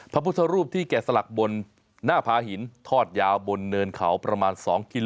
พระพุทธรูปที่แกะสลักบนหน้าพาหินทอดยาวบนเนินเขาประมาณ๒กิโล